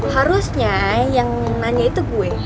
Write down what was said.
harusnya yang nanya itu gue